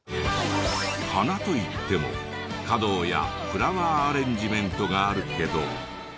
花といっても華道やフラワーアレンジメントがあるけど。